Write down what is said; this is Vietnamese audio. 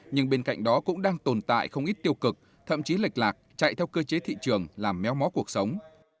nhưng bên cạnh đó cũng đang tồn tại không ít tiêu cực thậm chí lệch lạc chạy theo cơ chế thị trường làm méo mó cuộc sống